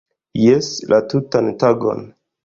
Jes! - La tutan tagon